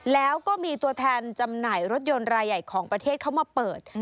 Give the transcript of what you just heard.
แล้วก็มีตัวแทนจำหน่ายรถยนต์รายใหญ่ของประเทศเข้ามาเปิด